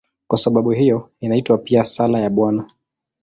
Kwa sababu hiyo inaitwa pia "Sala ya Bwana".